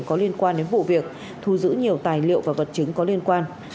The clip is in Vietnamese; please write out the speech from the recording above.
có liên quan đến vụ việc thu giữ nhiều tài liệu và vật chứng có liên quan